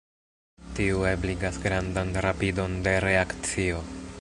Tiu ebligas grandan rapidon de reakcio.